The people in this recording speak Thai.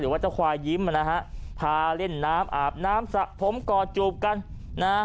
ว่าเจ้าควายยิ้มนะฮะพาเล่นน้ำอาบน้ำสระผมกอดจูบกันนะ